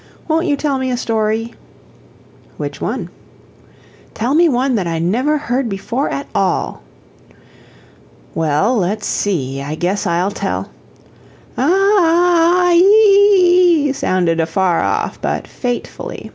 Won't you tell me a story?" "Which one?" "Tell me one that I never heard before at all." "Well, let's see; I guess I'll tell " "Ah ah ah ah ee ee ee," sounded afar off, but fatefully.